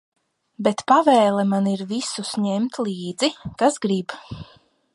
Bet pavēle man ir visus ņemt līdzi, kas grib.